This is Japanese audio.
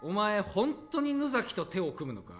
本当に野崎と手を組むのか？